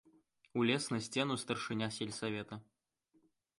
Узлез на сцэну старшыня сельсавета.